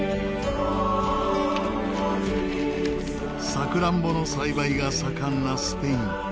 さくらんぼの栽培が盛んなスペイン。